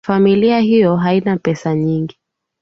Familia hiyo haina pesa nyingi